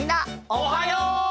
おはよう！